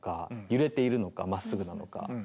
揺れているのかまっすぐなのか。